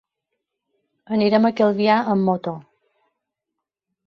Anirem a Calvià amb moto.